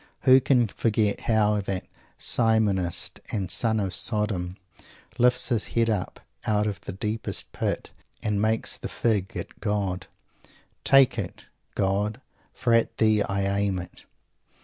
Who can forget how that "Simonist" and "Son of Sodom" lifts his hands up out of the deepest Pit, and makes "the fig" at God? "Take it, God, for at Thee I aim it!"